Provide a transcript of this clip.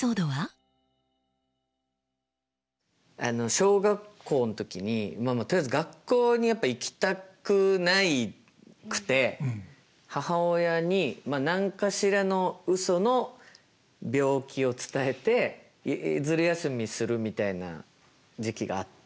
小学校の時にとりあえず学校にやっぱ行きたくなくて母親に何かしらのうその病気を伝えてずる休みするみたいな時期があって。